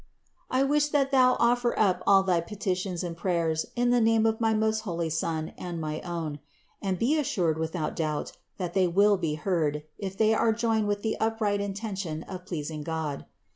269. I wish that thou offer up all thy petitions and prayers in the name of my most holy Son and my own ; and be assured without doubt, that they will be heard, if they are joined with the upright intention of pleasing God.